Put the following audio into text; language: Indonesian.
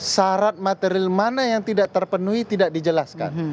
syarat material mana yang tidak terpenuhi tidak dijelaskan